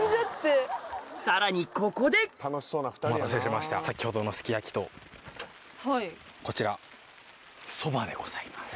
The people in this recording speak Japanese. さらにここでお待たせしました先ほどのすき焼きとこちら蕎麦でございます。